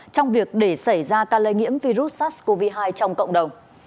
trong việc để xảy ra ca lây nhiễm virus sars cov hai trong cộng đồng